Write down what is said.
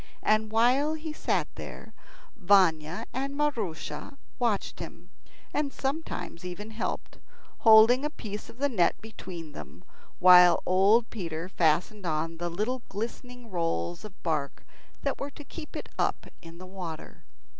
And while he sat there Vanya and Maroosia watched him, and sometimes even helped, holding a piece of the net between them, while old Peter fastened on the little glistening rolls of bark that were to keep it up in the water.